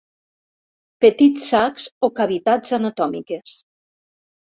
Petits sacs o cavitats anatòmiques.